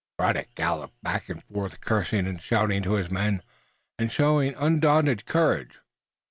Braddock galloped back and forth, cursing and shouting to his men, and showing undaunted courage.